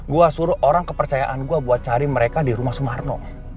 gue suruh orang kepercayaan gue buat cari mereka di rumah sumarno